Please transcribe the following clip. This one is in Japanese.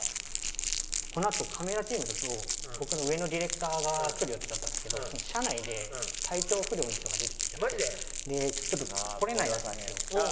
このあとカメラチームと僕の上のディレクターが来る予定だったんですけど車内で体調不良の人が出てきちゃってちょっと来れないらしいんですよ。